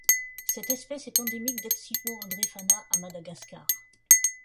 Cette espèce est endémique d'Atsimo-Andrefana à Madagascar.